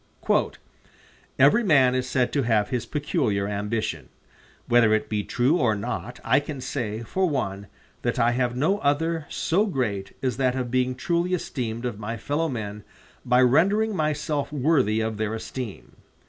"Every man is said to have his peculiar ambition. Whether it be true or not, I can say, for one, that I have no other so great as that of being truly esteemed of my fellow men by rendering myself worthy of their esteem.